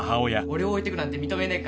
俺を置いてくなんて認めねえかんな。